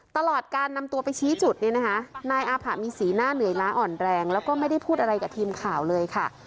ตลอดการนำตัวไปชี้จุดเนี่ยนะคะนายอาผะมีสีหน้าเหนื่อยล้าอ่อนแรงแล้วก็ไม่ได้พูดอะไรกับทีมข่าวเลยค่ะ